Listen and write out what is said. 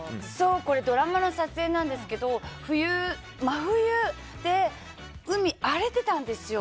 これドラマの撮影なんですけど真冬で、海が荒れてたんですよ。